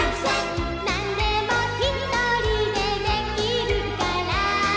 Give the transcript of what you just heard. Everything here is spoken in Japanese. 「何でもひとりでできるから」